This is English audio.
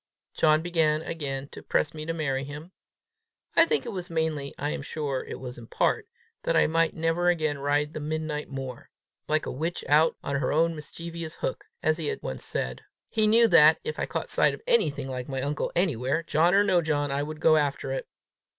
John began again to press me to marry him. I think it was mainly, I am sure it was in part, that I might never again ride the midnight moor "like a witch out on her own mischievous hook," as he had once said. He knew that, if I caught sight of anything like my uncle anywhere, John or no John, I would go after it.